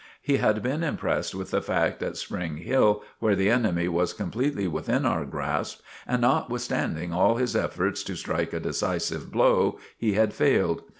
He had been impressed with the fact at Spring Hill, where the enemy was completely within our grasp, and notwithstanding all his efforts to strike a decisive blow, he had failed.